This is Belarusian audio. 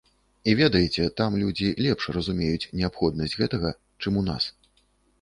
І ведаеце, там людзі лепш разумеюць неабходнасць гэтага, чым у нас.